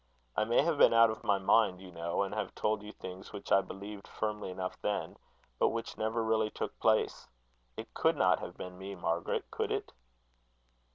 I may have been out of my mind, you know, and have told you things which I believed firmly enough then, but which never really took place. It could not have been me, Margaret, could it?"